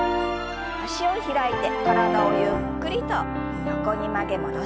脚を開いて体をゆっくりと横に曲げ戻しましょう。